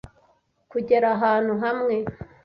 Kugera ahantu hamwe